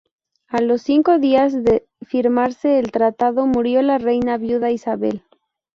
A los cinco días de firmarse el tratado, murió la reina viuda Isabel.